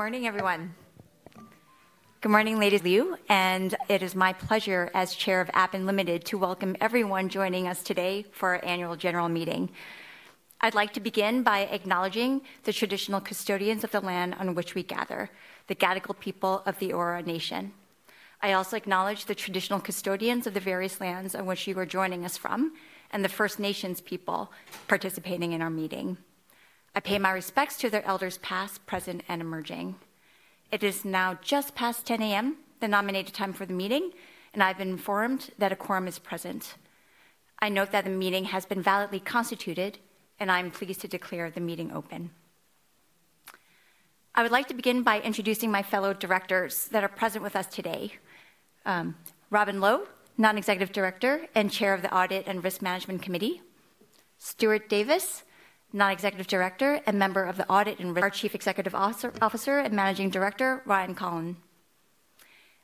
Good morning, everyone. Good morning, Vanessa Liu. It is my pleasure as Chair of Appen Limited to welcome everyone joining us today for our annual general meeting. I'd like to begin by acknowledging the traditional custodians of the land on which we gather, the Gadigal people of the Eora Nation. I also acknowledge the traditional custodians of the various lands on which you are joining us from and the First Nations people participating in our meeting. I pay my respects to their elders past, present, and emerging. It is now just past 10:00 A.M., the nominated time for the meeting. I've been informed that a quorum is present. I note that the meeting has been validly constituted. I'm pleased to declare the meeting open. I would like to begin by introducing my fellow directors that are present with us today. Robin Low, Non-executive Director and Chair of the Audit and Risk Management Committee. Stuart Davis, Non-executive Director and member of the Audit and. Our Chief Executive Officer and Managing Director, Ryan Kolln.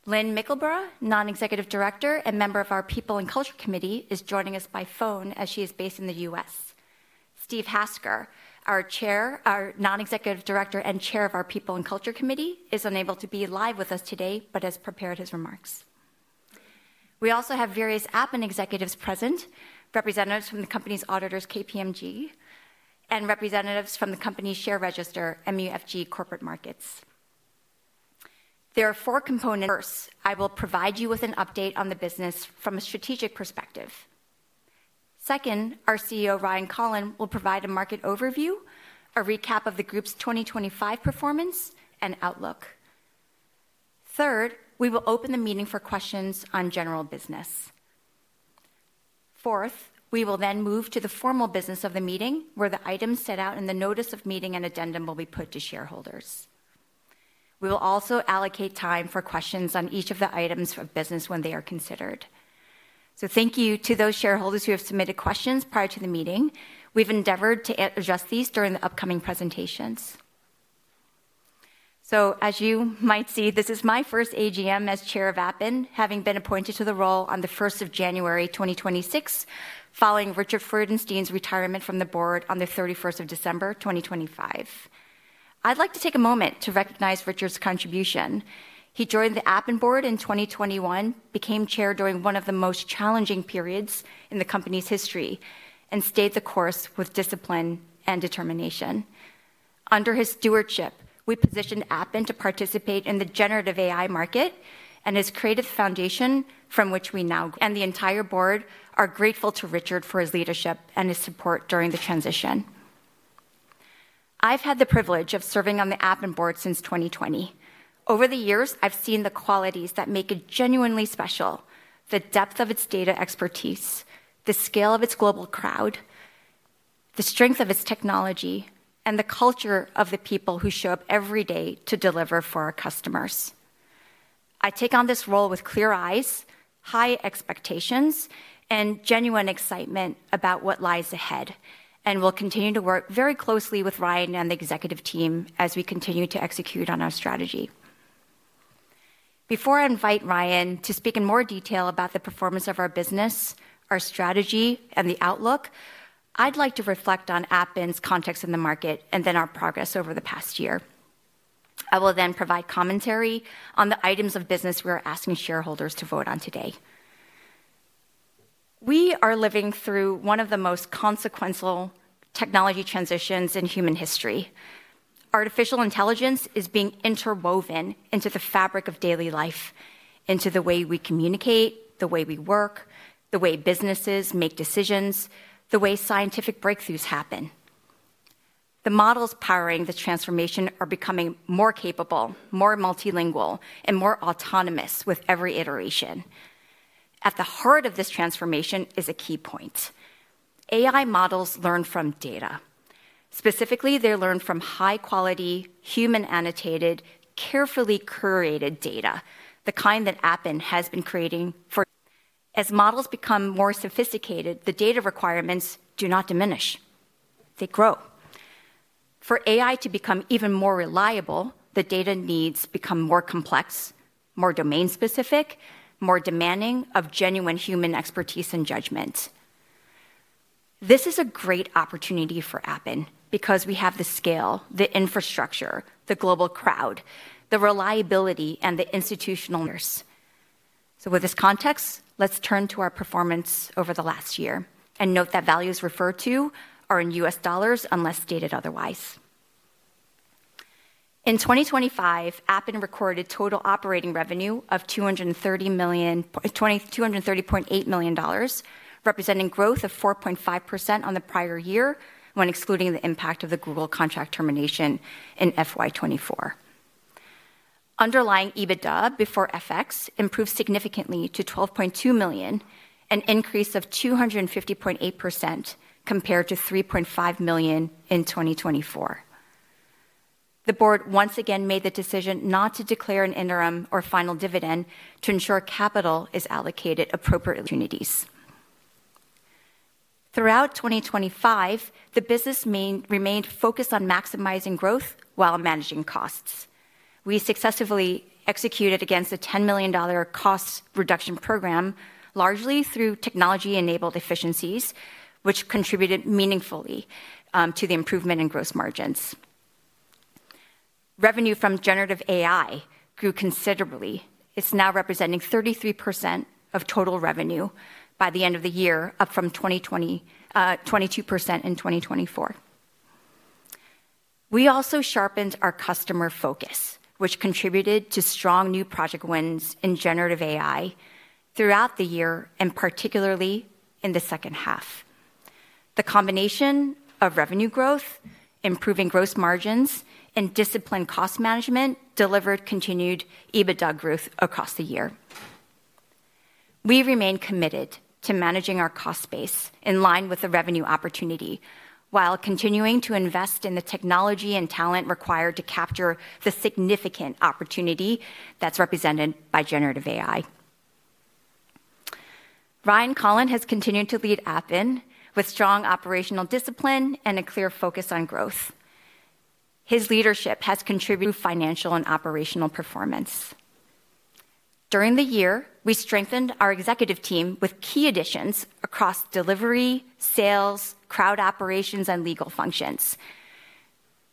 Lynn Mickleburgh, Non-executive Director and member of our People and Culture Committee, is joining us by phone as she is based in the U.S. Steve Hasker, our Non-executive Director and Chair of our People and Culture Committee, is unable to be live with us today but has prepared his remarks. We also have various Appen executives present, representatives from the company's auditors, KPMG, and representatives from the company's share register, MUFG Corporate Markets. There are four components. First, I will provide you with an update on the business from a strategic perspective. Second, our CEO, Ryan Kolln, will provide a market overview, a recap of the group's 2025 performance, and outlook. Third, we will open the meeting for questions on general business. Fourth, we will move to the formal business of the meeting, where the items set out in the notice of meeting and addendum will be put to shareholders. We will also allocate time for questions on each of the items of business when they are considered. Thank you to those shareholders who have submitted questions prior to the meeting. We've endeavored to address these during the upcoming presentations. As you might see, this is my 1st AGM as Chair of Appen, having been appointed to the role on the January 1st of 2026, following Richard Freudenstein's retirement from the Board on the December 31st of 2025. I'd like to take a moment to recognize Richard's contribution. He joined the Appen board in 2021, became Chair during one of the most challenging periods in the company's history, and stayed the course with discipline and determination. Under his stewardship, we positioned Appen to participate in the generative AI market and has created the foundation from which we now, and the entire board are grateful to Richard for his leadership and his support during the transition. I've had the privilege of serving on the Appen board since 2020. Over the years, I've seen the qualities that make it genuinely special, the depth of its data expertise, the scale of its global crowd, the strength of its technology, and the culture of the people who show up every day to deliver for our customers. I take on this role with clear eyes, high expectations, and genuine excitement about what lies ahead, and will continue to work very closely with Ryan and the executive team as we continue to execute on our strategy. Before I invite Ryan to speak in more detail about the performance of our business, our strategy, and the outlook, I'd like to reflect on Appen's context in the market and then our progress over the past year. I will provide commentary on the items of business we are asking shareholders to vote on today. We are living through one of the most consequential technology transitions in human history. Artificial intelligence is being interwoven into the fabric of daily life, into the way we communicate, the way we work, the way businesses make decisions, the way scientific breakthroughs happen. The models powering the transformation are becoming more capable, more multilingual, and more autonomous with every iteration. At the heart of this transformation is a key point. AI models learn from data. Specifically, they learn from high-quality, human-annotated, carefully curated data, the kind that Appen has been creating for As models become more sophisticated, the data requirements do not diminish. They grow. For AI to become even more reliable, the data needs become more complex, more domain-specific, more demanding of genuine human expertise and judgment. This is a great opportunity for Appen because we have the scale, the infrastructure, the global crowd, the reliability and the institutional [knoledge]. With this context, let's turn to our performance over the last year and note that values referred to are in US dollars unless stated otherwise. In 2025, Appen recorded total operating revenue of 230.8 million, representing growth of 4.5% on the prior year when excluding the impact of the Google contract termination in FY 2024. Underlying EBITDA before FX improved significantly to 12.2 million, an increase of 250.8% compared to 3.5 million in 2024. The board once again made the decision not to declare an interim or final dividend to ensure capital is allocated appropriately. Throughout 2025, the business remained focused on maximizing growth while managing costs. We successfully executed against an 10 million dollar cost reduction program, largely through technology-enabled efficiencies, which contributed meaningfully to the improvement in gross margins. Revenue from generative AI grew considerably. It's now representing 33% of total revenue by the end of the year, up from 22% in 2024. We also sharpened our customer focus, which contributed to strong new project wins in generative AI throughout the year, and particularly in the second half. The combination of revenue growth, improving gross margins, and disciplined cost management delivered continued EBITDA growth across the year. We remain committed to managing our cost base in line with the revenue opportunity while continuing to invest in the technology and talent required to capture the significant opportunity that's represented by generative AI. Ryan Kolln has continued to lead Appen with strong operational discipline and a clear focus on growth. His leadership has contributed financial and operational performance. During the year, we strengthened our executive team with key additions across delivery, sales, crowd operations, and legal functions.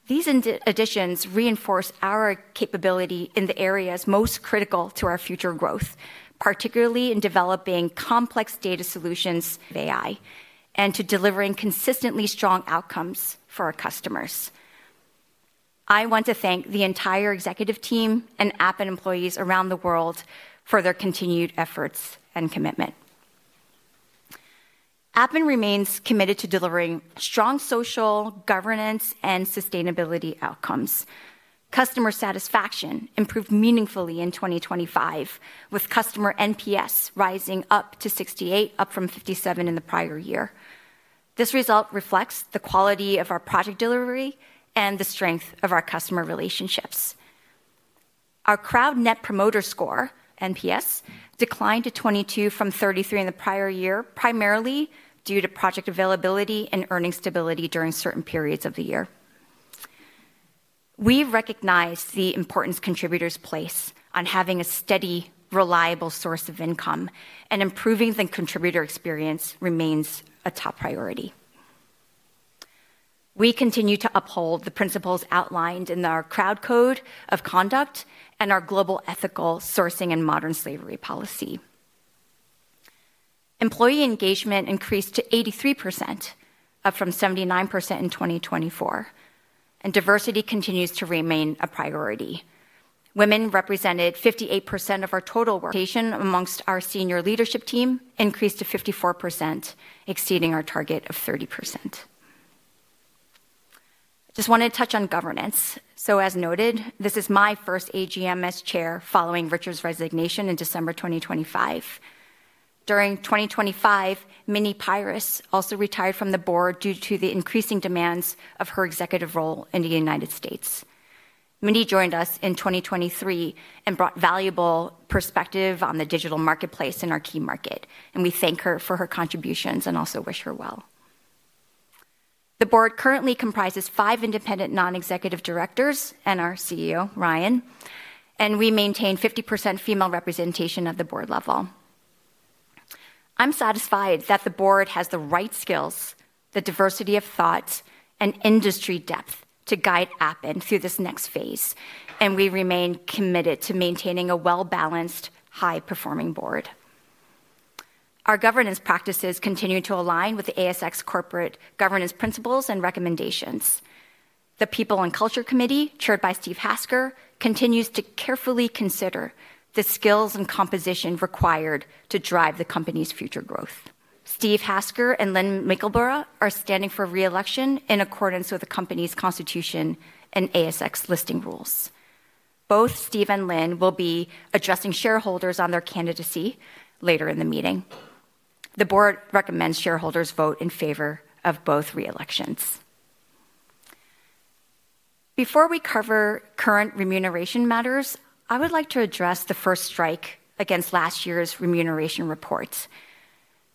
These additions reinforce our capability in the areas most critical to our future growth, particularly in developing complex data solutions with AI, and to delivering consistently strong outcomes for our customers. I want to thank the entire executive team and Appen employees around the world for their continued efforts and commitment. Appen remains committed to delivering strong social, governance, and sustainability outcomes. Customer satisfaction improved meaningfully in 2025, with customer NPS rising up to 68, up from 57 in the prior year. This result reflects the quality of our project delivery and the strength of our customer relationships. Our crowd Net Promoter Score, NPS, declined to 22 from 33 in the prior year, primarily due to project availability and earning stability during certain periods of the year. We recognize the importance contributors place on having a steady, reliable source of income, and improving the contributor experience remains a top priority. We continue to uphold the principles outlined in our Crowd Code of Conduct and our Global Ethical Sourcing and Modern Slavery Policy. Employee engagement increased to 83%, up from 79% in 2024, and diversity continues to remain a priority. Women represented 58% of our total work. amongst our senior leadership team increased to 54%, exceeding our target of 30%. Just want to touch on governance. As noted, this is my first AGM as Chair following Richard's resignation in December 2025. During 2025, Mini Peiris also retired from the board due to the increasing demands of her executive role in the United States. Mini joined us in 2023 and brought valuable perspective on the digital marketplace in our key market, and we thank her for her contributions and also wish her well. The board currently comprises five independent non-executive directors and our CEO, Ryan Kolln. We maintain 50% female representation at the board level. I'm satisfied that the board has the right skills, the diversity of thought, and industry depth to guide Appen through this next phase. We remain committed to maintaining a well-balanced, high-performing board. Our governance practices continue to align with the ASX Corporate Governance Principles and Recommendations. The People and Culture Committee, chaired by Steve Hasker, continues to carefully consider the skills and composition required to drive the company's future growth. Steve Hasker and Lynn Mickleburgh are standing for re-election in accordance with the company's constitution and ASX Listing Rules. Both Steve and Lynn will be addressing shareholders on their candidacy later in the meeting. The board recommends shareholders vote in favor of both re-elections. Before we cover current remuneration matters, I would like to address the first strike against last year's remuneration report.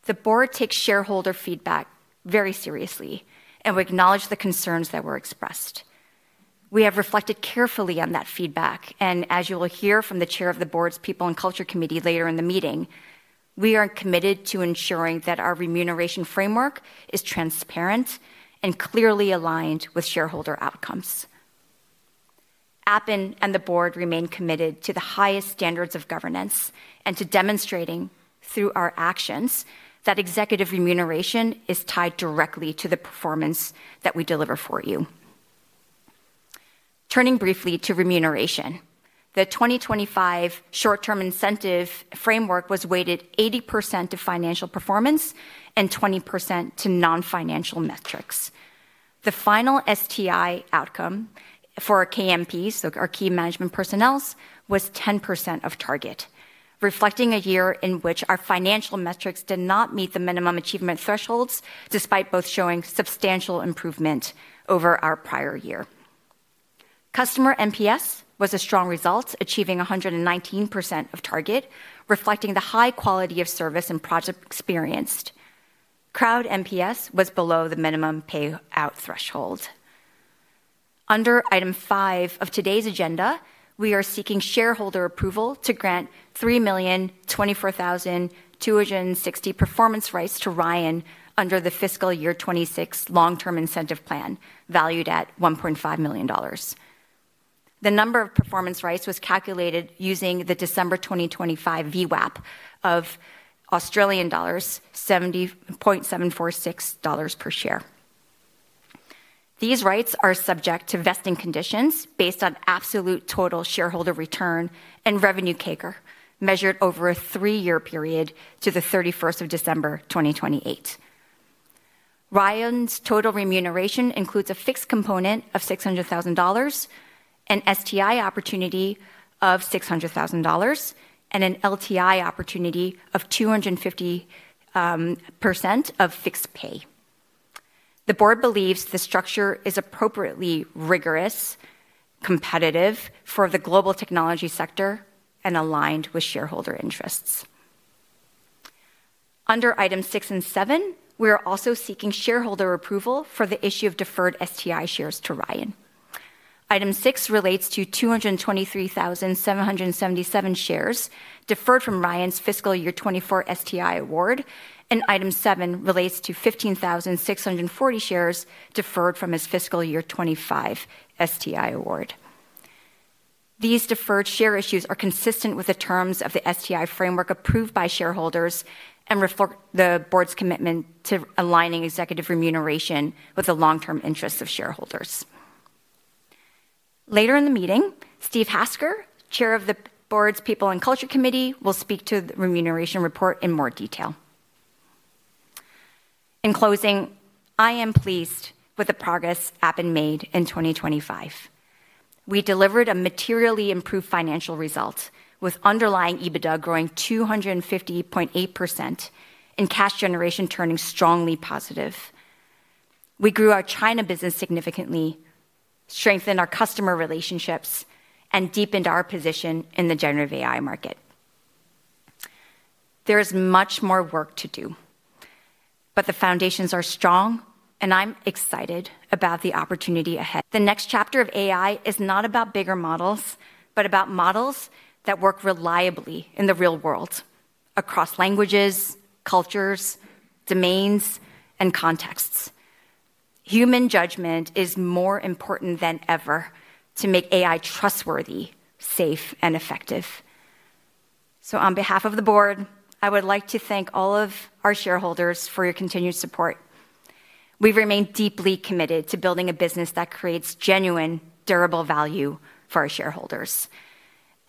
The board takes shareholder feedback very seriously, and we acknowledge the concerns that were expressed. We have reflected carefully on that feedback, and as you will hear from the chair of the board's People and Culture Committee later in the meeting, we are committed to ensuring that our remuneration framework is transparent and clearly aligned with shareholder outcomes. Appen and the board remain committed to the highest standards of governance and to demonstrating through our actions that executive remuneration is tied directly to the performance that we deliver for you. Turning briefly to remuneration, the 2025 short-term incentive framework was weighted 80% to financial performance and 20% to non-financial metrics. The final STI outcome for our KMPs, so our key management personnel, was 10% of target, reflecting a year in which our financial metrics did not meet the minimum achievement thresholds, despite both showing substantial improvement over our prior year. Customer NPS was a strong result, achieving 119% of target, reflecting the high quality of service and project experienced. Crowd NPS was below the minimum payout threshold. Under item five of today's agenda, we are seeking shareholder approval to grant 3,024,260 performance rights to Ryan under the fiscal year 2026 long-term incentive plan, valued at 1.5 million dollars. The number of performance rights was calculated using the December 2025 VWAP of 0.746 per share. These rights are subject to vesting conditions based on absolute total shareholder return and revenue CAGR, measured over a three-year period to the December 31st of 2028. Ryan's total remuneration includes a fixed component of 600,000 dollars, an STI opportunity of 600,000 dollars, and an LTI opportunity of 250% of fixed pay. The board believes the structure is appropriately rigorous, competitive for the global technology sector, and aligned with shareholder interests. Under item six and seven, we are also seeking shareholder approval for the issue of deferred STI shares to Ryan. Item six relates to 223,777 shares deferred from Ryan's fiscal year 2024 STI award, and item seven relates to 15,640 shares deferred from his fiscal year 2025 STI award. These deferred share issues are consistent with the terms of the STI framework approved by shareholders and reflect the board's commitment to aligning executive remuneration with the long-term interests of shareholders. Later in the meeting, Steve Hasker, Chair of the Board's People and Culture Committee, will speak to the remuneration report in more detail. In closing, I am pleased with the progress Appen made in 2025. We delivered a materially improved financial result, with underlying EBITDA growing 250.8% and cash generation turning strongly positive. We grew our China business significantly, strengthened our customer relationships, and deepened our position in the generative AI market. There is much more work to do, but the foundations are strong, and I'm excited about the opportunity ahead. The next chapter of AI is not about bigger models, but about models that work reliably in the real world across languages, cultures, domains, and contexts. Human judgment is more important than ever to make AI trustworthy, safe, and effective. On behalf of the board, I would like to thank all of our shareholders for your continued support. We remain deeply committed to building a business that creates genuine, durable value for our shareholders.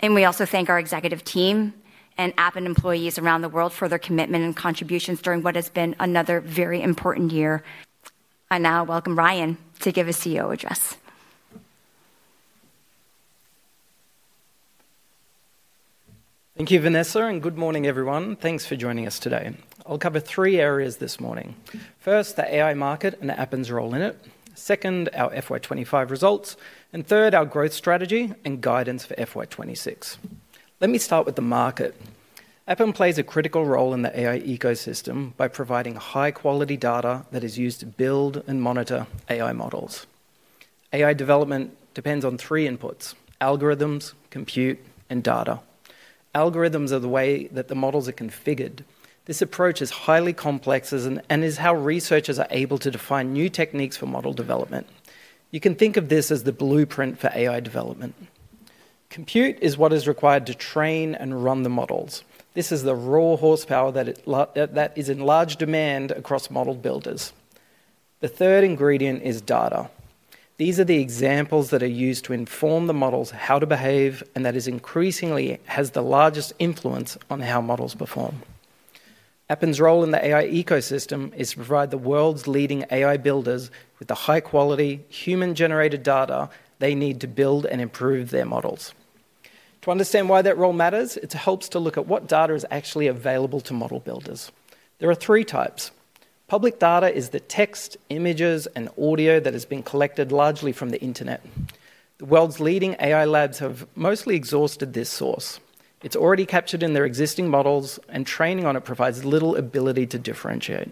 We also thank our executive team and Appen employees around the world for their commitment and contributions during what has been another very important year. I now welcome Ryan to give a CEO address. Thank you, Vanessa. Good morning, everyone. Thanks for joining us today. I'll cover three areas this morning. First, the AI market and Appen's role in it. Second, our FY 2025 results. Third, our growth strategy and guidance for FY 2026. Let me start with the market. Appen plays a critical role in the AI ecosystem by providing high-quality data that is used to build and monitor AI models. AI development depends on three inputs, algorithms, compute, and data. Algorithms are the way that the models are configured. This approach is highly complex and is how researchers are able to define new techniques for model development. You can think of this as the blueprint for AI development. Compute is what is required to train and run the models. This is the raw horsepower that is in large demand across model builders. The 3rd ingredient is data. These are the examples that are used to inform the models how to behave, and that increasingly has the largest influence on how models perform. Appen's role in the AI ecosystem is to provide the world's leading AI builders with the high-quality, human-generated data they need to build and improve their models. To understand why that role matters, it helps to look at what data is actually available to model builders. There are three types. Public data is the text, images, and audio that has been collected largely from the internet. The world's leading AI labs have mostly exhausted this source. It's already captured in their existing models, and training on it provides little ability to differentiate.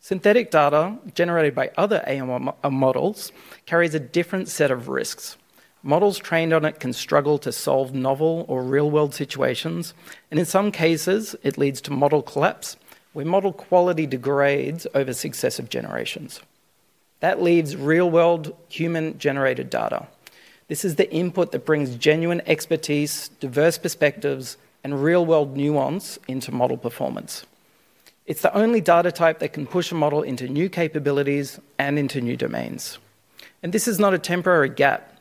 Synthetic data generated by other AI models carries a different set of risks. Models trained on it can struggle to solve novel or real-world situations, and in some cases, it leads to model collapse, where model quality degrades over successive generations. That leaves real-world human-generated data. This is the input that brings genuine expertise, diverse perspectives, and real-world nuance into model performance. It's the only data type that can push a model into new capabilities and into new domains. This is not a temporary gap.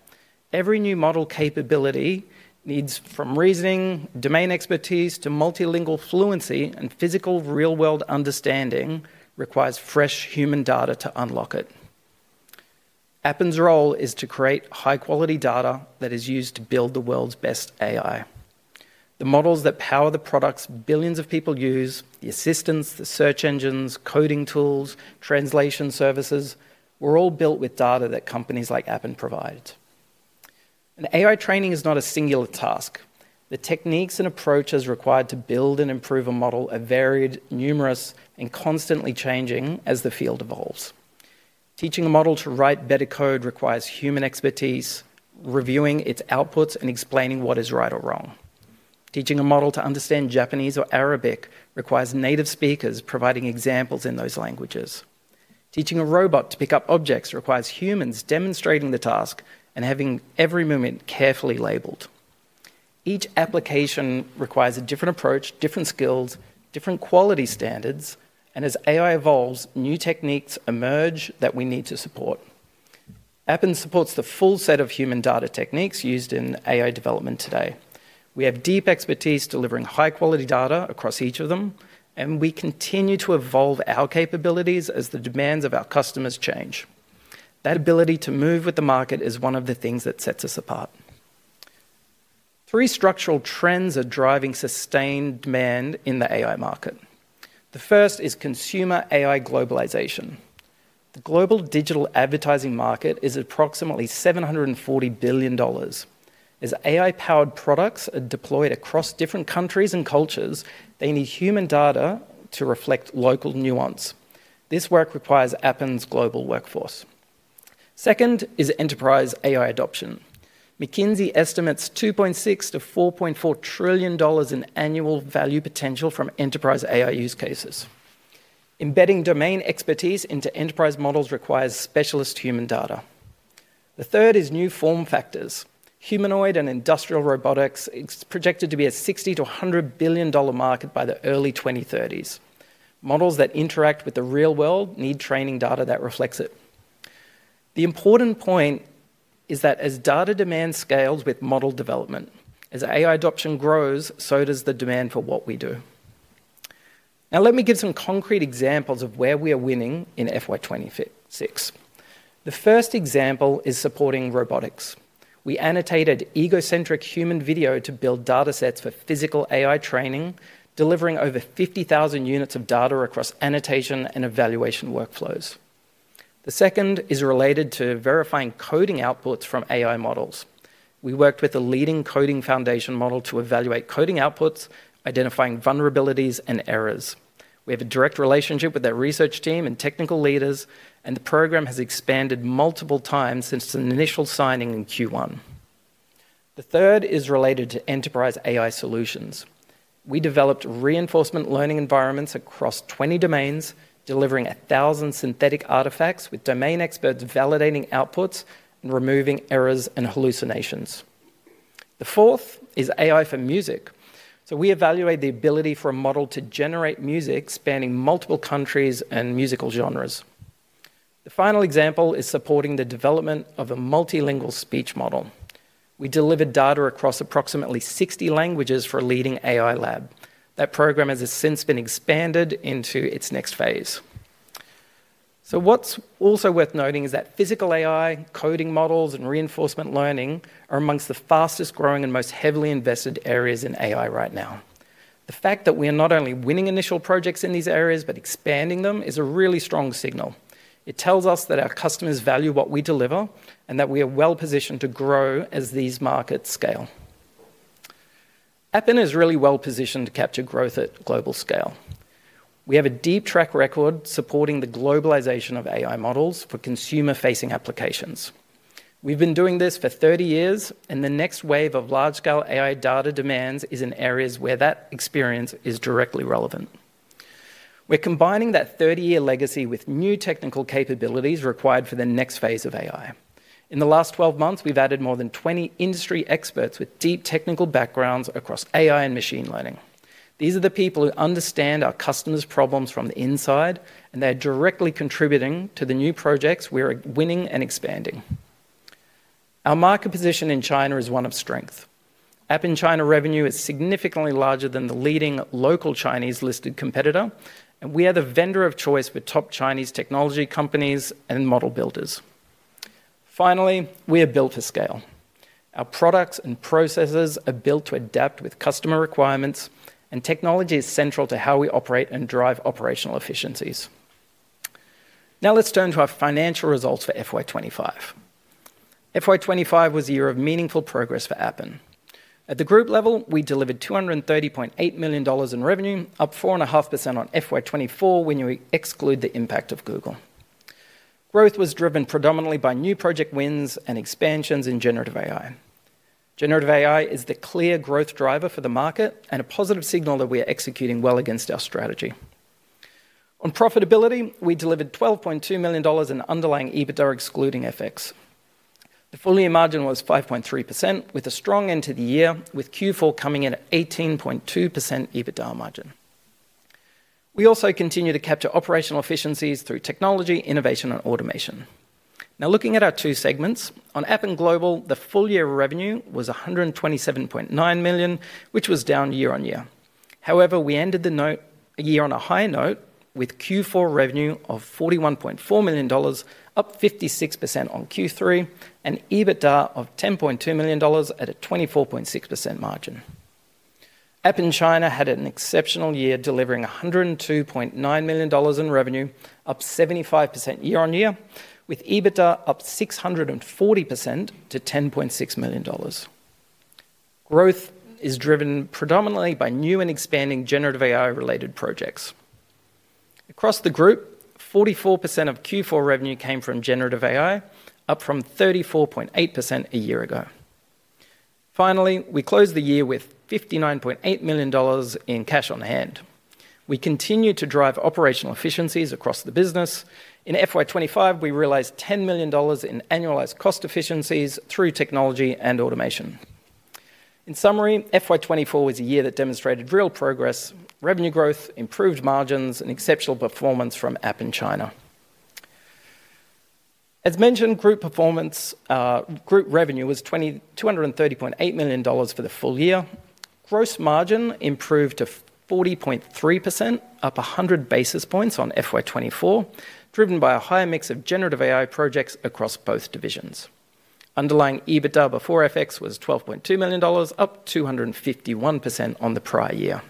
Every new model capability needs from reasoning, domain expertise, to multilingual fluency, and physical real-world understanding requires fresh human data to unlock it. Appen's role is to create high-quality data that is used to build the world's best AI. The models that power the products billions of people use, the assistants, the search engines, coding tools, translation services, were all built with data that companies like Appen provide. AI training is not a singular task. The techniques and approaches required to build and improve a model are varied, numerous, and constantly changing as the field evolves. Teaching a model to write better code requires human expertise, reviewing its outputs, and explaining what is right or wrong. Teaching a model to understand Japanese or Arabic requires native speakers providing examples in those languages. Teaching a robot to pick up objects requires humans demonstrating the task and having every movement carefully labeled. Each application requires a different approach, different skills, different quality standards, and as AI evolves, new techniques emerge that we need to support. Appen supports the full set of human data techniques used in AI development today. We have deep expertise delivering high-quality data across each of them, and we continue to evolve our capabilities as the demands of our customers change. That ability to move with the market is one of the things that sets us apart. Three structural trends are driving sustained demand in the AI market. The first is consumer AI globalization. The global digital advertising market is approximately $740 billion. As AI-powered products are deployed across different countries and cultures, they need human data to reflect local nuance. This work requires Appen's global workforce. Second is enterprise AI adoption. McKinsey estimates $2.6 trillion-$4.4 trillion in annual value potential from enterprise AI use cases. Embedding domain expertise into enterprise models requires specialist human data. The third is new form factors. Humanoid and industrial robotics is projected to be a $60 billion-$100 billion market by the early 2030s. Models that interact with the real world need training data that reflects it. The important point is that as data demand scales with model development, as AI adoption grows, so does the demand for what we do. Let me give some concrete examples of where we are winning in FY 2026. The first example is supporting robotics. We annotated egocentric human video to build data sets for physical AI training, delivering over 50,000 units of data across annotation and evaluation workflows. The second is related to verifying coding outputs from AI models. We worked with a leading coding foundation model to evaluate coding outputs, identifying vulnerabilities and errors. We have a direct relationship with their research team and technical leaders, and the program has expanded multiple times since an initial signing in Q1. The third is related to enterprise AI solutions. We developed reinforcement learning environments across 20 domains, delivering 1,000 synthetic artifacts with domain experts validating outputs and removing errors and hallucinations. The fourth is AI for music. We evaluate the ability for a model to generate music spanning multiple countries and musical genres. The final example is supporting the development of a multilingual speech model. We delivered data across approximately 60 languages for a leading AI lab. That program has since been expanded into its next phase. What's also worth noting is that physical AI, coding models, and reinforcement learning are amongst the fastest-growing and most heavily invested areas in AI right now. The fact that we are not only winning initial projects in these areas but expanding them is a really strong signal. It tells us that our customers value what we deliver and that we are well-positioned to grow as these markets scale. Appen is really well-positioned to capture growth at global scale. We have a deep track record supporting the globalization of AI models for consumer-facing applications. We've been doing this for 30 years. The next wave of large-scale AI data demands is in areas where that experience is directly relevant. We're combining that 30-year legacy with new technical capabilities required for the next phase of AI. In the last 12 months, we've added more than 20 industry experts with deep technical backgrounds across AI and machine learning. These are the people who understand our customers' problems from the inside. They're directly contributing to the new projects we are winning and expanding. Our market position in China is one of strength. Appen China revenue is significantly larger than the leading local Chinese-listed competitor. We are the vendor of choice for top Chinese technology companies and model builders. Finally, we are built to scale. Our products and processes are built to adapt with customer requirements, and technology is central to how we operate and drive operational efficiencies. Now let's turn to our financial results for FY 2025. FY 2025 was a year of meaningful progress for Appen. At the group level, we delivered 230.8 million dollars in revenue, up 4.5% on FY 2024 when you exclude the impact of Google. Growth was driven predominantly by new project wins and expansions in generative AI. Generative AI is the clear growth driver for the market and a positive signal that we are executing well against our strategy. On profitability, we delivered 12.2 million dollars in underlying EBITDA excluding FX. The full-year margin was 5.3% with a strong end to the year, with Q4 coming in at 18.2% EBITDA margin. We also continue to capture operational efficiencies through technology, innovation, and automation. Looking at our two segments, on Appen Global, the full-year revenue was 127.9 million, which was down year-on-year. We ended the year on a high note with Q4 revenue of 41.4 million dollars, up 56% on Q3, and EBITDA of 10.2 million dollars at a 24.6% margin. Appen China had an exceptional year, delivering 102.9 million dollars in revenue, up 75% year-on-year, with EBITDA up 640% to 10.6 million dollars. Growth is driven predominantly by new and expanding generative AI-related projects. Across the group, 44% of Q4 revenue came from generative AI, up from 34.8% a year ago. We closed the year with 59.8 million dollars in cash on hand. We continue to drive operational efficiencies across the business. In FY 2025, we realized 10 million dollars in annualized cost efficiencies through technology and automation. In summary, FY 2024 was a year that demonstrated real progress, revenue growth, improved margins, and exceptional performance from Appen China. As mentioned, group revenue was 230.8 million dollars for the full year. Gross margin improved to 40.3%, up 100 basis points on FY 2024, driven by a higher mix of generative AI projects across both divisions. Underlying EBITDA before FX was 12.2 million dollars, up 251% on the prior year.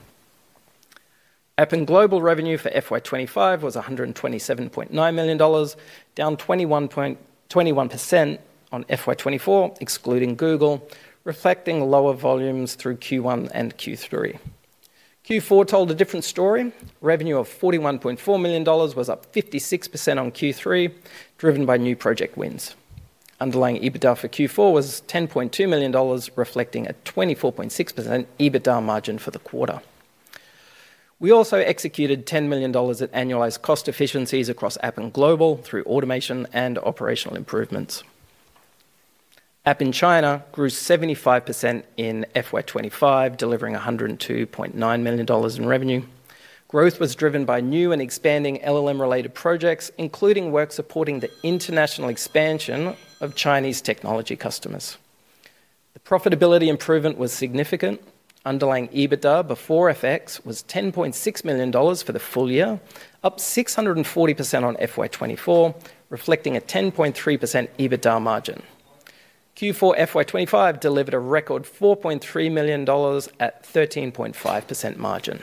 Appen Global revenue for FY 2025 was 127.9 million dollars, down 21% on FY 2024, excluding Google, reflecting lower volumes through Q1 and Q3. Q4 told a different story. Revenue of 41.4 million dollars was up 56% on Q3, driven by new project wins. Underlying EBITDA for Q4 was 10.2 million dollars, reflecting a 24.6% EBITDA margin for the quarter. We also executed 10 million dollars at annualized cost efficiencies across Appen Global through automation and operational improvements. Appen China grew 75% in FY 2025, delivering 102.9 million dollars in revenue. Growth was driven by new and expanding LLM-related projects, including work supporting the international expansion of Chinese technology customers. The profitability improvement was significant. Underlying EBITDA before FX was 10.6 million dollars for the full year, up 640% on FY 2024, reflecting a 10.3% EBITDA margin. Q4 FY 2025 delivered a record 4.3 million dollars at 13.5% margin.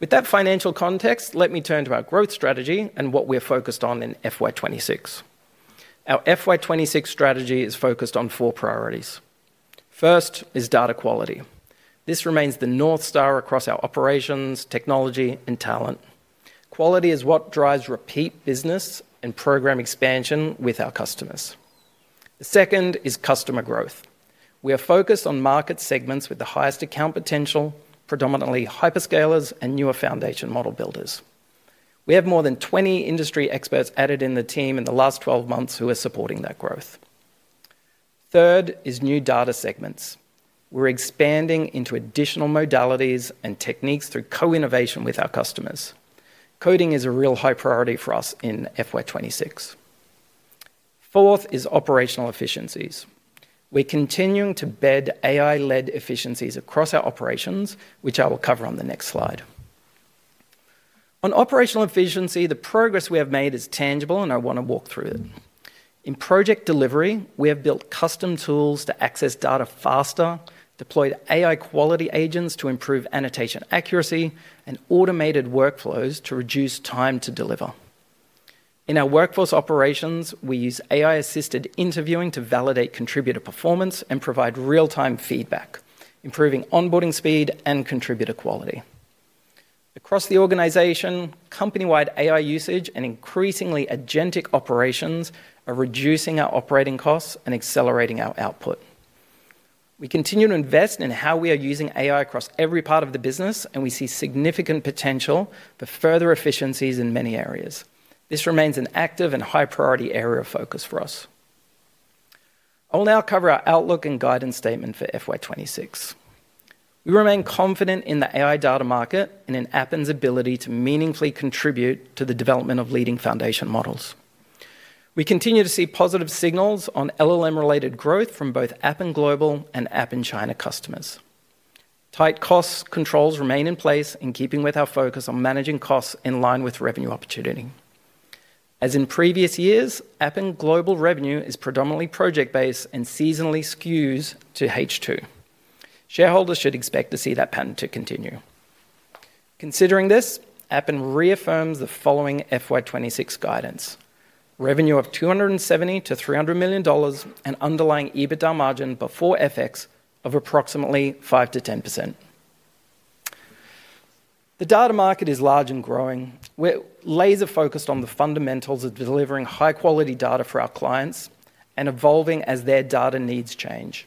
With that financial context, let me turn to our growth strategy and what we're focused on in FY 2026. Our FY 2026 strategy is focused on four priorities. First is data quality. This remains the North Star across our operations, technology, and talent. Quality is what drives repeat business and program expansion with our customers. The second is customer growth. We are focused on market segments with the highest account potential, predominantly hyperscalers and newer foundation model builders. We have more than 20 industry experts added in the team in the last 12 months who are supporting that growth. Third is new data segments. We're expanding into additional modalities and techniques through co-innovation with our customers. Coding is a real high priority for us in FY 2026. Fourth is operational efficiencies. We're continuing to bed AI-led efficiencies across our operations, which I will cover on the next slide. On operational efficiency, the progress we have made is tangible, and I want to walk through it. In project delivery, we have built custom tools to access data faster, deployed AI quality agents to improve annotation accuracy, and automated workflows to reduce time to deliver. In our workforce operations, we use AI-assisted interviewing to validate contributor performance and provide real-time feedback, improving onboarding speed and contributor quality. Across the organization, company-wide AI usage and increasingly agentic operations are reducing our operating costs and accelerating our output. We continue to invest in how we are using AI across every part of the business, and we see significant potential for further efficiencies in many areas. This remains an active and high-priority area of focus for us. I'll now cover our outlook and guidance statement for FY26. We remain confident in the AI data market and in Appen's ability to meaningfully contribute to the development of leading foundation models. We continue to see positive signals on LLM-related growth from both Appen Global and Appen China customers. Tight cost controls remain in place in keeping with our focus on managing costs in line with revenue opportunity. As in previous years, Appen Global revenue is predominantly project-based and seasonally skews to H2. Shareholders should expect to see that pattern to continue. Considering this, Appen reaffirms the following FY 2026 guidance: revenue of 270 million-300 million dollars and underlying EBITDA margin before FX of approximately 5%-10%. The data market is large and growing. We're laser-focused on the fundamentals of delivering high-quality data for our clients and evolving as their data needs change.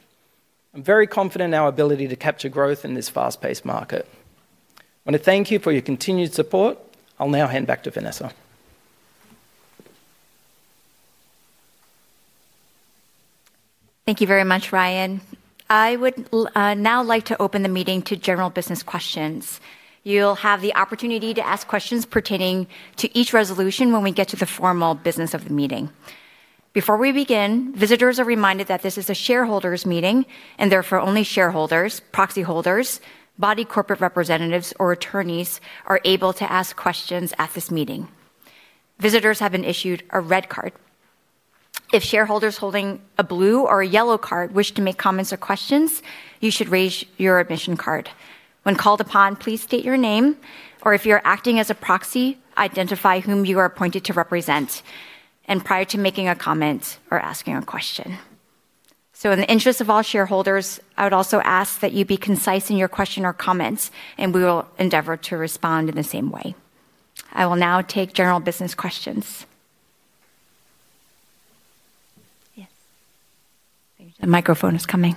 I'm very confident in our ability to capture growth in this fast-paced market. I want to thank you for your continued support. I'll now hand back to Vanessa. Thank you very much, Ryan. I would now like to open the meeting to general business questions. You'll have the opportunity to ask questions pertaining to each resolution when we get to the formal business of the meeting. Before we begin, visitors are reminded that this is a shareholders' meeting and therefore only shareholders, proxy holders, body corporate representatives, or attorneys are able to ask questions at this meeting. Visitors have been issued a red card. If shareholders holding a blue or a yellow card wish to make comments or questions, you should raise your admission card. When called upon, please state your name, or if you're acting as a proxy, identify whom you are appointed to represent and prior to making a comment or asking a question. In the interest of all shareholders, I would also ask that you be concise in your question or comments, and we will endeavor to respond in the same way. I will now take general business questions. Yes. The microphone is coming.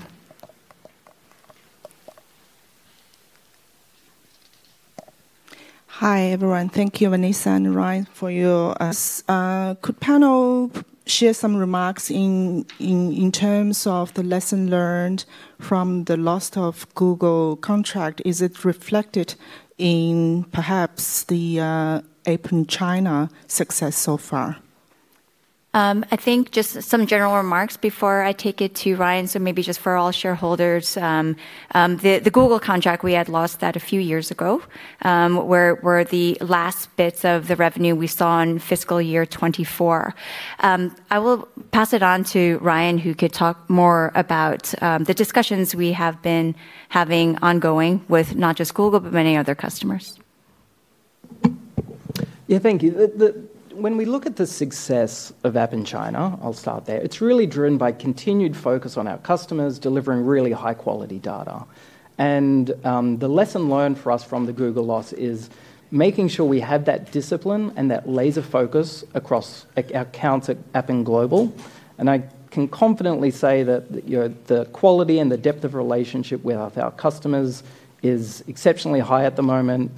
Hi, everyone. Thank you, Vanessa and Ryan. Could panel share some remarks in terms of the lesson learned from the loss of Google contract, is it reflected in perhaps the Appen China success so far? I think just some general remarks before I take it to Ryan. Maybe just for all shareholders, the Google contract, we had lost that a few years ago, were the last bits of the revenue we saw in fiscal year 2024. I will pass it on to Ryan, who could talk more about the discussions we have been having ongoing with not just Google, but many other customers. Thank you. When we look at the success of Appen China, I'll start there. It's really driven by continued focus on our customers delivering really high-quality data. The lesson learned for us from the Google loss is making sure we have that discipline and that laser focus across accounts at Appen Global. I can confidently say that the quality and the depth of relationship with our customers is exceptionally high at the moment.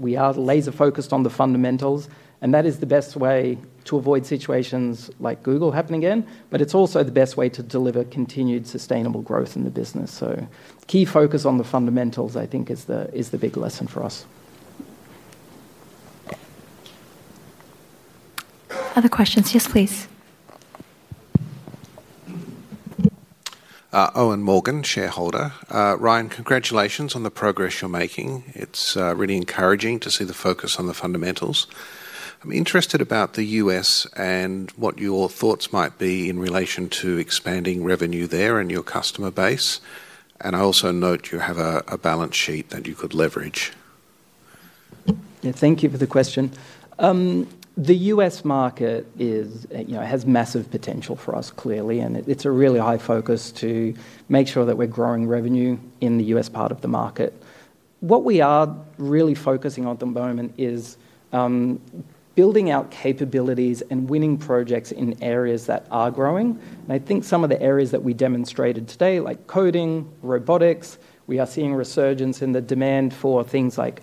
We are laser-focused on the fundamentals, and that is the best way to avoid situations like Google happening again, but it's also the best way to deliver continued sustainable growth in the business. Key focus on the fundamentals, I think, is the big lesson for us. Other questions? Yes, please. Owen Morgan, shareholder. Ryan, congratulations on the progress you're making. It's really encouraging to see the focus on the fundamentals. I'm interested about the U.S. and what your thoughts might be in relation to expanding revenue there and your customer base. I also note you have a balance sheet that you could leverage. Yeah, thank you for the question. The U.S. market has massive potential for us, clearly, and it's a really high focus to make sure that we're growing revenue in the U.S. part of the market. What we are really focusing on at the moment is building out capabilities and winning projects in areas that are growing. I think some of the areas that we demonstrated today, like coding, robotics, we are seeing a resurgence in the demand for things like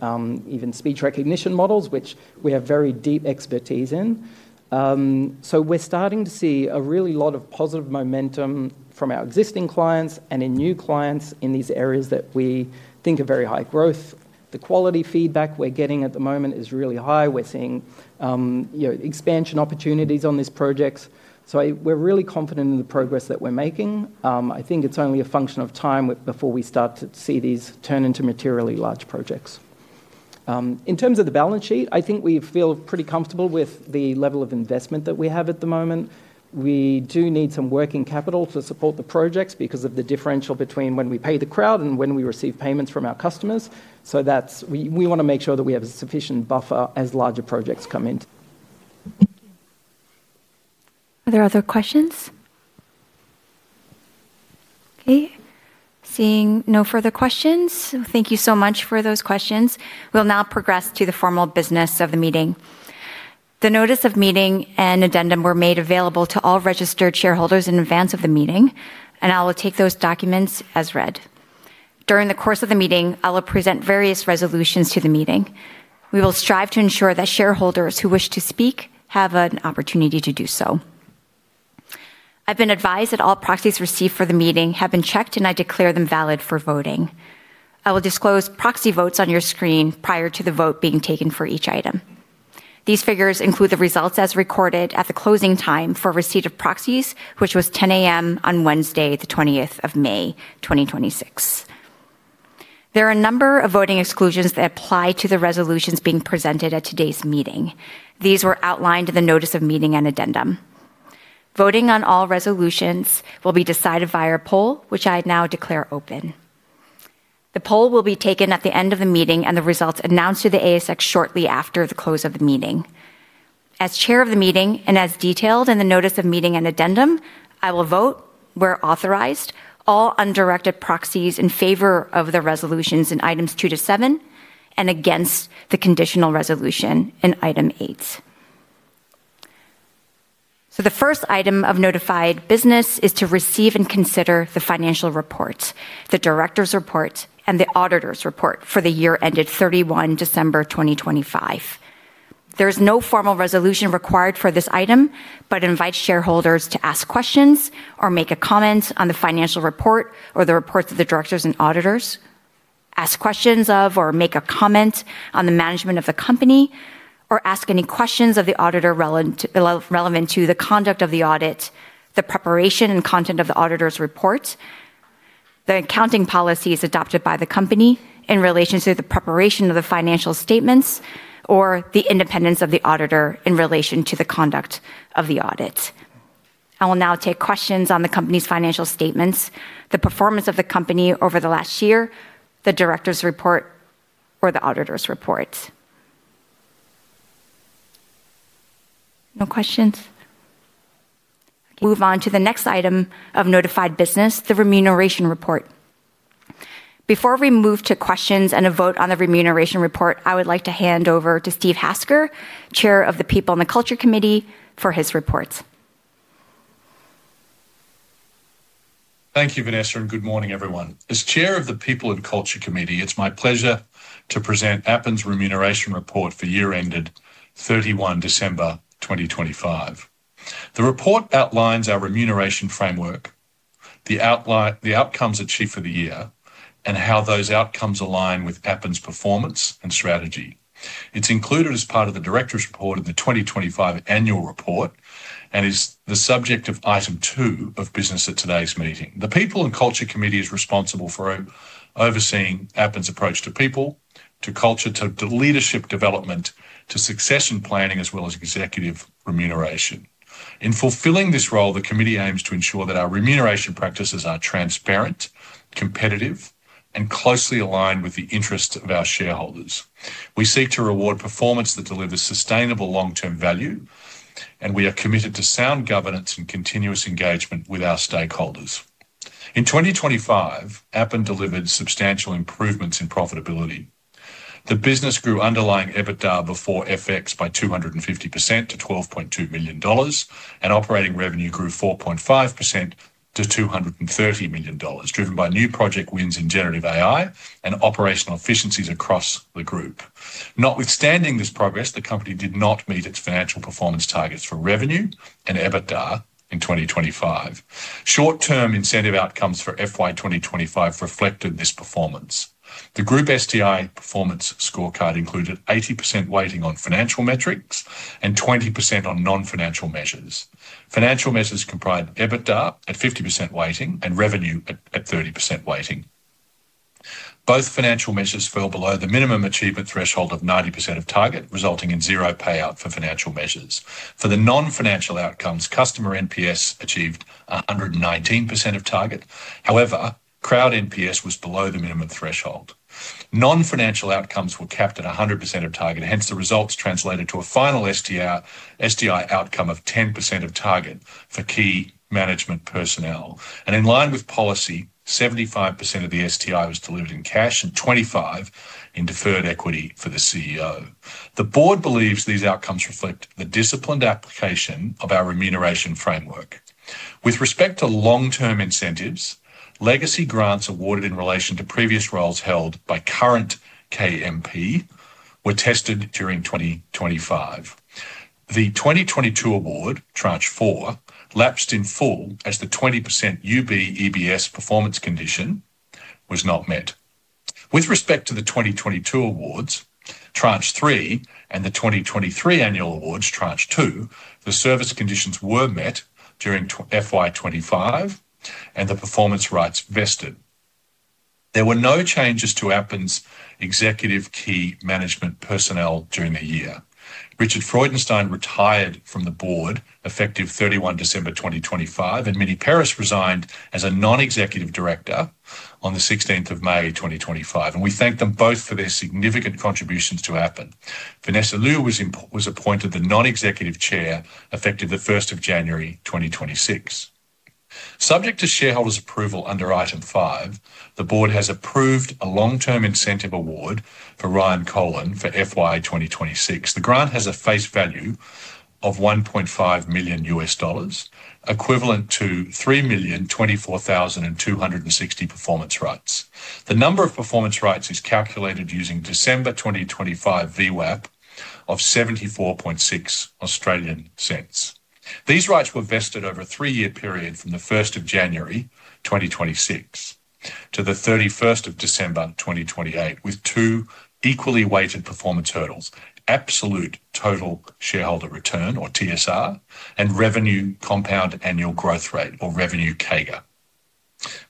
even speech recognition models, which we have very deep expertise in. We're starting to see a really lot of positive momentum from our existing clients and in new clients in these areas that we think are very high growth. The quality feedback we're getting at the moment is really high. We're seeing expansion opportunities on these projects. We're really confident in the progress that we're making. I think it's only a function of time before we start to see these turn into materially large projects. In terms of the balance sheet, I think we feel pretty comfortable with the level of investment that we have at the moment. We do need some working capital to support the projects because of the differential between when we pay the crowd and when we receive payments from our customers. We want to make sure that we have a sufficient buffer as larger projects come in. Are there other questions? Okay, seeing no further questions. Thank you so much for those questions. We will now progress to the formal business of the meeting. The notice of meeting and addendum were made available to all registered shareholders in advance of the meeting, and I will take those documents as read. During the course of the meeting, I will present various resolutions to the meeting. We will strive to ensure that shareholders who wish to speak have an opportunity to do so. I have been advised that all proxies received for the meeting have been checked, and I declare them valid for voting. I will disclose proxy votes on your screen prior to the vote being taken for each item. These figures include the results as recorded at the closing time for receipt of proxies, which was 10:00 A.M. On Wednesday, May 20th of 2026. There are a number of voting exclusions that apply to the resolutions being presented at today's meeting. These were outlined in the notice of meeting and addendum. Voting on all resolutions will be decided via poll, which I now declare open. The poll will be taken at the end of the meeting, and the results announced to the ASX shortly after the close of the meeting. As chair of the meeting and as detailed in the notice of meeting and addendum, I will vote where authorized all undirected proxies in favor of the resolutions in items two-seven and against the conditional resolution in item eight. The first item of notified business is to receive and consider the financial report, the directors' report, and the auditors' report for the year ended December 31, 2025. There is no formal resolution required for this item, but invite shareholders to ask questions or make a comment on the financial report or the reports of the directors and auditors. Ask questions of or make a comment on the management of the company, or ask any questions of the auditor relevant to the conduct of the audit, the preparation and content of the auditors' report, the accounting policies adopted by the company in relation to the preparation of the financial statements, or the independence of the auditor in relation to the conduct of the audit. I will now take questions on the company's financial statements, the performance of the company over the last year, the directors' report or the auditors' report. No questions. Move on to the next item of notified business, the remuneration report. Before we move to questions and a vote on the remuneration report, I would like to hand over to Steve Hasker, Chair of the People and Culture Committee, for his reports. Thank you, Vanessa. Good morning, everyone. As Chair of the People and Culture Committee, it's my pleasure to present Appen's remuneration report for year ended December 31, 2025. The report outlines our remuneration framework, the outcomes achieved for the year, and how those outcomes align with Appen's performance and strategy. It's included as part of the directors' report of the 2025 annual report and is the subject of item two of business at today's meeting. The People and Culture Committee is responsible for overseeing Appen's approach to people, to culture, to leadership development, to succession planning, as well as executive remuneration. In fulfilling this role, the committee aims to ensure that our remuneration practices are transparent, competitive, and closely aligned with the interests of our shareholders. We seek to reward performance that delivers sustainable long-term value, and we are committed to sound governance and continuous engagement with our stakeholders. In 2025, Appen delivered substantial improvements in profitability. The business grew underlying EBITDA before FX by 250% to 12.2 million dollars, and operating revenue grew 4.5% to 230 million dollars, driven by new project wins in generative AI and operational efficiencies across the group. Notwithstanding this progress, the company did not meet its financial performance targets for revenue and EBITDA in 2025. Short-term incentive outcomes for FY 2025 reflected this performance. The group STI performance scorecard included 80% weighting on financial metrics and 20% on non-financial measures. Financial measures comprised EBITDA at 50% weighting and revenue at 30% weighting. Both financial measures fell below the minimum achievement threshold of 90% of target, resulting in zero payout for financial measures. For the non-financial outcomes, customer NPS achieved 119% of target. However, crowd NPS was below the minimum threshold. Non-financial outcomes were capped at 100% of target. Hence, the results translated to a final STI outcome of 10% of target for key management personnel. In line with policy, 75% of the STI was delivered in cash and 25% in deferred equity for the CEO. The board believes these outcomes reflect the disciplined application of our remuneration framework. With respect to long-term incentives, legacy grants awarded in relation to previous roles held by current KMPs were tested during 2025. The 2022 award, Tranche Four, lapsed in full as the 20% UBEPS performance condition was not met. With respect to the 2022 awards, Tranche Three, and the 2023 annual awards, Tranche Two, the service conditions were met during FY 2025, and the performance rights vested. There were no changes to Appen's executive key management personnel during the year. Richard Freudenstein retired from the board effective December 31, 2025. Mini Peiris resigned as a non-executive director on the May 16th of 2025. We thank them both for their significant contributions to Appen. Vanessa Liu was appointed the Non-executive Chair effective the January 1st of 2026. Subject to shareholders' approval under item five, the board has approved a long-term incentive award for Ryan Kolln for FY 2026. The grant has a face value of $1.5 million, equivalent to 3,024,260 performance rights. The number of performance rights is calculated using December 2025 VWAP of 0.746. These rights were vested over a three-year period from the January 1st of 2026 to the December 31st of 2028 with two equally weighted performance hurdles, absolute total shareholder return or TSR and revenue compound annual growth rate or revenue CAGR.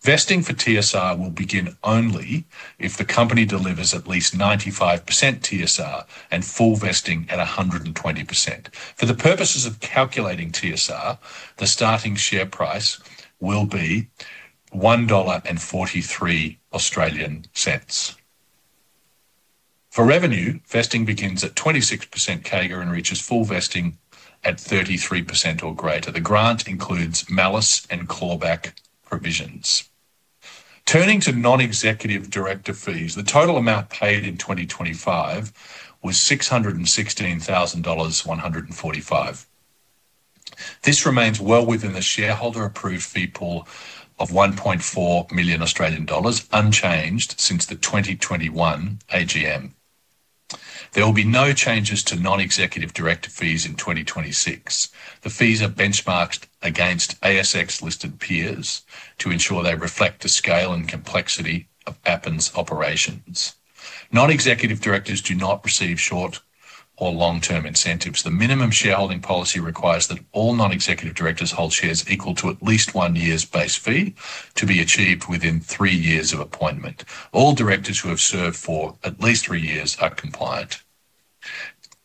Vesting for TSR will begin only if the company delivers at least 95% TSR and full vesting at 120%. For the purposes of calculating TSR, the starting share price will be 1.43 dollar. For revenue, vesting begins at 26% CAGR and reaches full vesting at 33% or greater. The grant includes malus and clawback provisions. Turning to non-executive director fees, the total amount paid in 2025 was 616,145 dollars. This remains well within the shareholder approved fee pool of 1.4 million Australian dollars, unchanged since the 2021 AGM. There will be no changes to non-executive director fees in 2026. The fees are benchmarked against ASX-listed peers to ensure they reflect the scale and complexity of Appen's operations. Non-executive directors do not receive short or long-term incentives. The minimum shareholding policy requires that all non-executive directors hold shares equal to at least one year's base fee to be achieved within three years of appointment. All directors who have served for at least three years are compliant.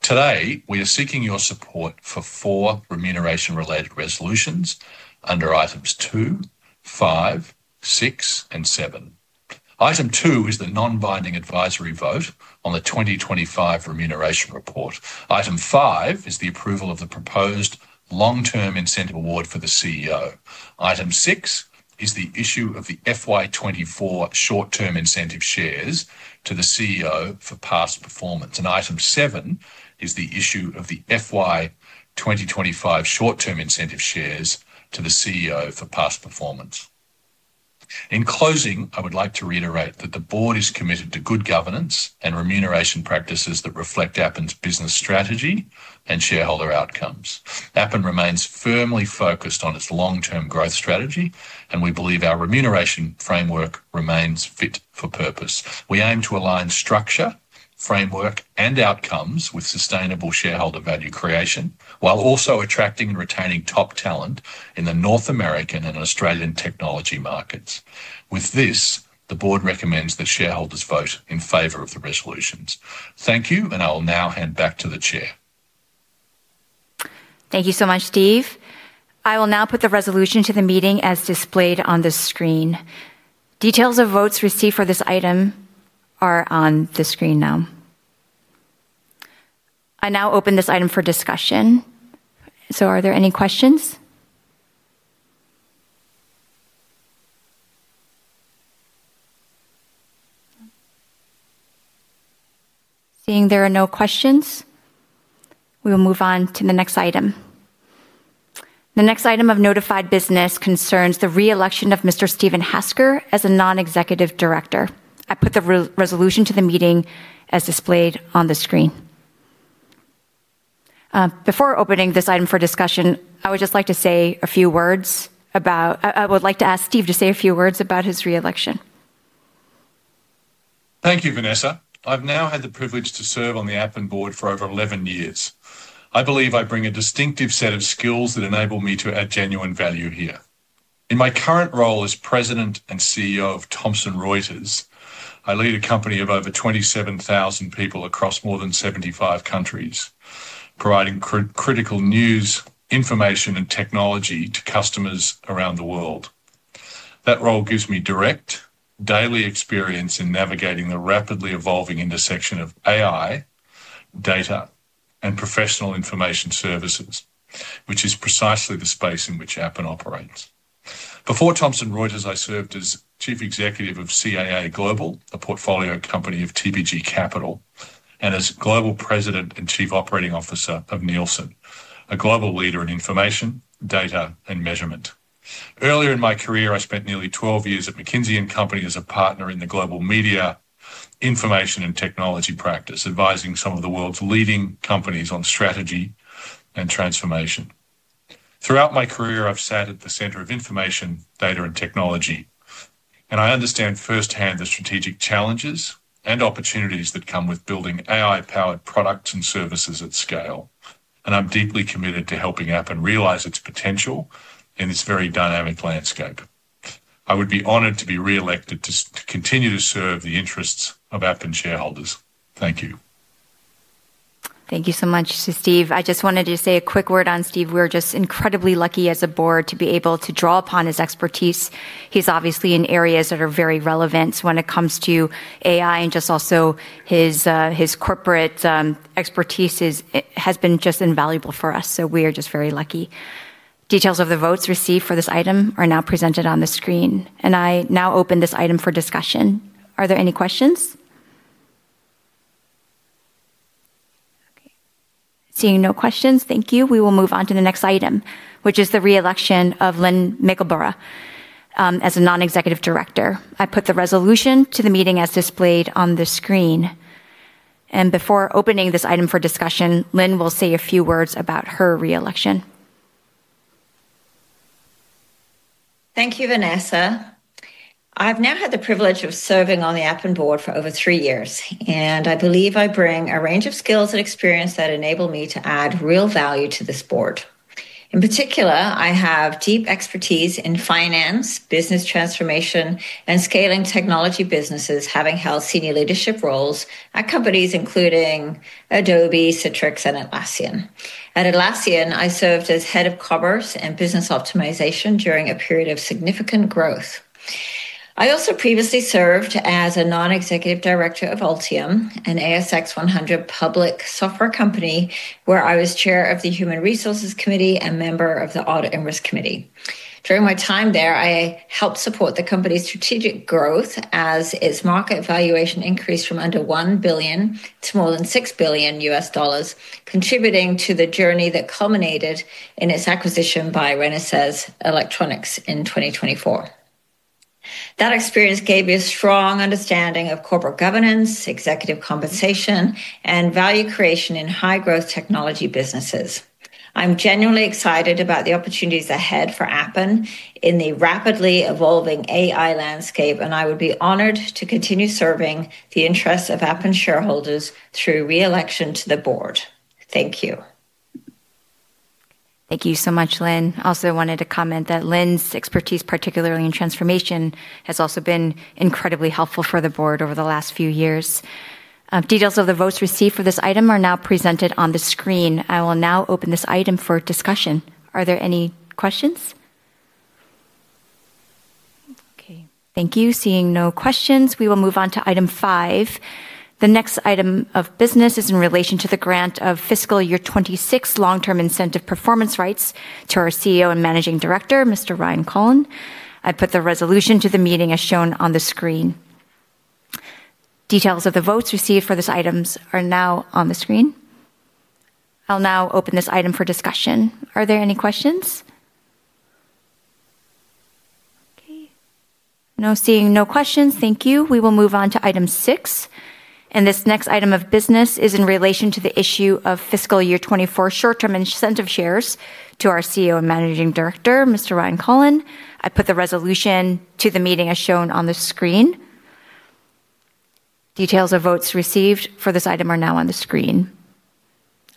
Today, we are seeking your support for four remuneration-related resolutions under items two, five, six, and seven. Item two is the non-binding advisory vote on the 2025 remuneration report. Item five is the approval of the proposed long-term incentive award for the CEO. Item six is the issue of the FY 2024 short-term incentive shares to the CEO for past performance. Item seven is the issue of the FY 2025 short-term incentive shares to the CEO for past performance. In closing, I would like to reiterate that the Board is committed to good governance and remuneration practices that reflect Appen's business strategy and shareholder outcomes. Appen remains firmly focused on its long-term growth strategy, and we believe our remuneration framework remains fit for purpose. We aim to align structure, framework, and outcomes with sustainable shareholder value creation, while also attracting and retaining top talent in the North American and Australian technology markets. With this, the board recommends that shareholders vote in favor of the resolutions. Thank you, and I will now hand back to the chair. Thank you so much, Steve. I will now put the resolution to the meeting as displayed on the screen. Details of votes received for this item are on the screen now. I now open this item for discussion. Are there any questions? Seeing there are no questions, we will move on to the next item. The next item of notified business concerns the re-election of Mr. Steve Hasker as a non-executive director. I put the resolution to the meeting as displayed on the screen. Before opening this item for discussion, I would like to ask Steve to say a few words about his re-election. Thank you, Vanessa. I've now had the privilege to serve on the Appen board for over 11 years. I believe I bring a distinctive set of skills that enable me to add genuine value here. In my current role as President and CEO of Thomson Reuters, I lead a company of over 27,000 people across more than 75 countries, providing critical news, information, and technology to customers around the world. That role gives me direct, daily experience in navigating the rapidly evolving intersection of AI, data, and professional information services, which is precisely the space in which Appen operates. Before Thomson Reuters, I served as Chief Executive of CAA Global, a portfolio company of TPG Capital, and as Global President and Chief Operating Officer of Nielsen, a global leader in information, data, and measurement. Earlier in my career, I spent nearly 12 years at McKinsey & Company as a partner in the global media information and technology practice, advising some of the world's leading companies on strategy and transformation. Throughout my career, I've sat at the center of information, data, and technology, I understand firsthand the strategic challenges and opportunities that come with building AI-powered products and services at scale. I'm deeply committed to helping Appen realize its potential in this very dynamic landscape. I would be honored to be re-elected to continue to serve the interests of Appen shareholders. Thank you. Thank you so much, Steve. I just wanted to say a quick word on Steve. We're just incredibly lucky as a board to be able to draw upon his expertise. He's obviously in areas that are very relevant when it comes to AI, and also his corporate expertise has been just invaluable for us. We are just very lucky. Details of the votes received for this item are now presented on the screen. I now open this item for discussion. Are there any questions? Okay. Seeing no questions. Thank you. We will move on to the next item, which is the re-election of Lynn Mickleburgh, as a Non-executive Director. I put the resolution to the meeting as displayed on the screen. Before opening this item for discussion, Lynn will say a few words about her re-election. Thank you, Vanessa. I've now had the privilege of serving on the Appen board for over three years, and I believe I bring a range of skills and experience that enable me to add real value to this board. In particular, I have deep expertise in finance, business transformation, and scaling technology businesses, having held senior leadership roles at companies including Adobe, Citrix, and Atlassian. At Atlassian, I served as head of commerce and business optimization during a period of significant growth. I also previously served as a non-executive director of Altium, an ASX 100 public software company, where I was chair of the Human Resources Committee and member of the Audit and Risk Committee. During my time there, I helped support the company's strategic growth as its market valuation increased from under $1 billion to more than $6 billion, contributing to the journey that culminated in its acquisition by Renesas Electronics in 2024. That experience gave me a strong understanding of corporate governance, executive compensation, and value creation in high-growth technology businesses. I'm genuinely excited about the opportunities ahead for Appen in the rapidly evolving AI landscape, and I would be honored to continue serving the interests of Appen shareholders through re-election to the board. Thank you. Thank you so much, Lynn. Also wanted to comment that Lynn's expertise, particularly in transformation, has also been incredibly helpful for the board over the last few years. Details of the votes received for this item are now presented on the screen. I will now open this item for discussion. Are there any questions? Okay, thank you. Seeing no questions, we will move on to item five. The next item of business is in relation to the grant of fiscal year 2026 long-term incentive performance rights to our CEO and Managing Director, Mr. Ryan Kolln. I put the resolution to the meeting as shown on the screen. Details of the votes received for these items are now on the screen. I'll now open this item for discussion. Are there any questions? Okay. Now seeing no questions, thank you. We will move on to item six. This next item of business is in relation to the issue of fiscal year 2024 short-term incentive shares to our CEO and Managing Director, Mr. Ryan Kolln. I put the resolution to the meeting as shown on the screen. Details of votes received for this item are now on the screen.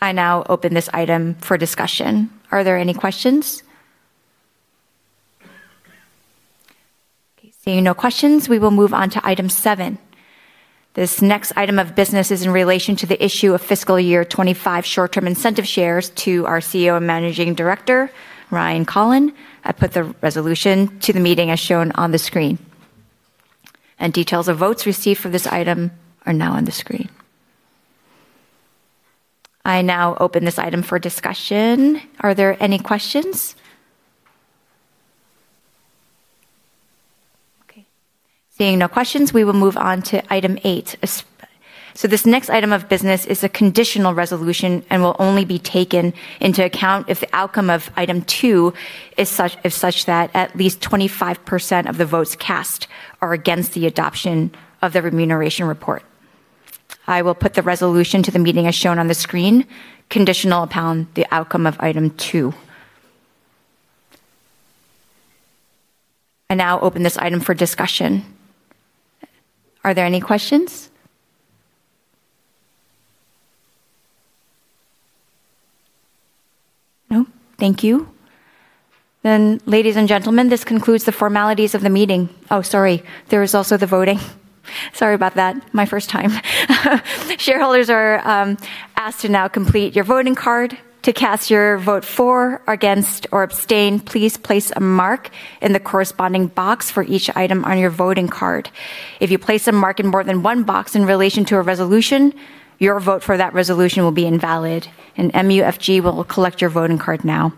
I now open this item for discussion. Are there any questions? Okay. Seeing no questions, we will move on to item seven. This next item of business is in relation to the issue of fiscal year 2025 short-term incentive shares to our CEO and Managing Director, Ryan Kolln. I put the resolution to the meeting as shown on the screen. Details of votes received for this item are now on the screen. I now open this item for discussion. Are there any questions? Okay. Seeing no questions, we will move on to item eight. This next item of business is a conditional resolution and will only be taken into account if the outcome of item two is such that at least 25% of the votes cast are against the adoption of the remuneration report. I will put the resolution to the meeting as shown on the screen, conditional upon the outcome of item two. I now open this item for discussion. Are there any questions? No. Thank you. Ladies and gentlemen, this concludes the formalities of the meeting. Sorry, there is also the voting. Sorry about that. My first time. Shareholders are asked to now complete your voting card. To cast your vote for, against, or abstain, please place a mark in the corresponding box for each item on your voting card. If you place a mark in more than one box in relation to a resolution, your vote for that resolution will be invalid, and MUFG will collect your voting card now.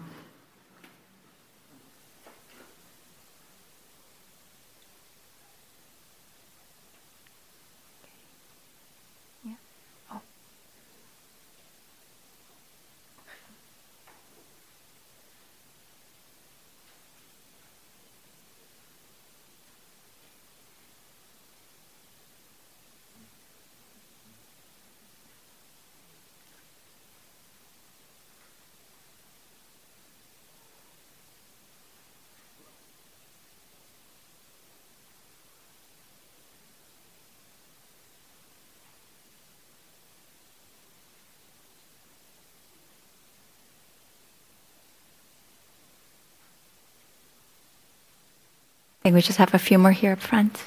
Okay. Yeah. Oh. I think we just have a few more here up front.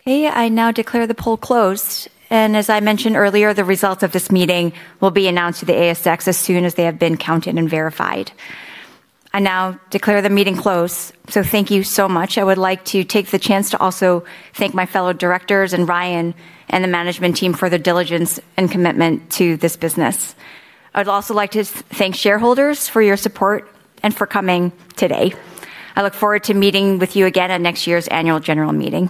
Okay. I now declare the poll closed, and as I mentioned earlier, the results of this meeting will be announced to the ASX as soon as they have been counted and verified. I now declare the meeting closed. Thank you so much. I would like to take the chance to also thank my fellow directors and Ryan and the management team for their diligence and commitment to this business. I'd also like to thank shareholders for your support and for coming today. I look forward to meeting with you again at next year's annual general meeting.